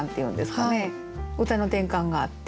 歌の転換があって。